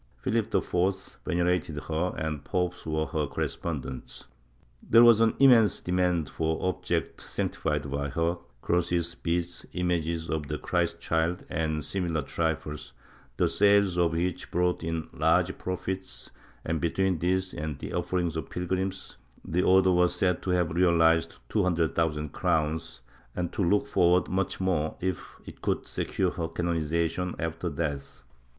Philip IV venerated her and popes were her correspondents; there was an immense demand for ob jects sanctified by her — crosses, beads, images of the Christ child and similar trifles — the sales of which brought in large profits and, between these and the offerings of pilgrims, the Order was said to have realized two hundred thousand crowns and to look forward to much more if it could secure her canonization after death.